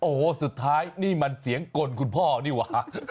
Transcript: โอ้โหสุดท้ายนี่มันเสียงกลคุณพ่อนี่หว่า